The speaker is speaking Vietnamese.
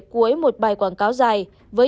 cuối một bài quảng cáo dài với